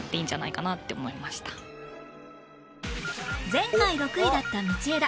前回６位だった道枝